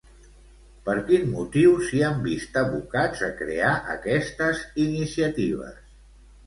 Per quin motiu s'hi han vist abocats a crear aquestes iniciatives?